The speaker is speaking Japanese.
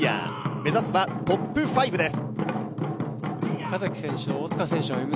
目指すはトップ５です。